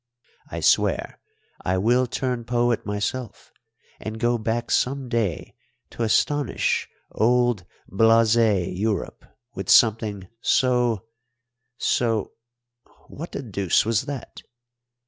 I swear I will turn poet myself, and go back some day to astonish old blasé Europe with something so so What the deuce was that?